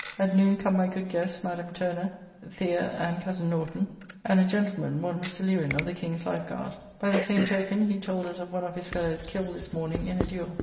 At noon come my good guests, Madame Turner, The., and Cozen Norton, and a gentleman, one Mr. Lewin of the King's Life Guard; by the same token he told us of one of his fellows killed this morning in a duel.